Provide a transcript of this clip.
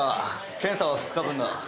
検査は２日分だ。